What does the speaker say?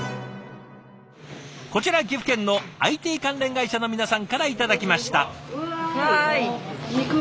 こちら岐阜県のＩＴ関連会社の皆さんから頂きました。